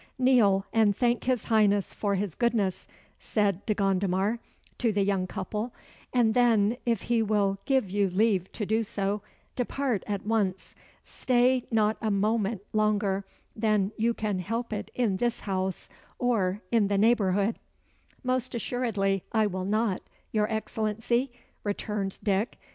"Kneel and thank his Highness for his goodness," said De Gondomar to the young couple; "and then, if he will give you leave to do so, depart at once. Stay not a moment longer than you can help it in this house, or in the neighbourhood." "Most assuredly I will not, your Excellency," returned Dick.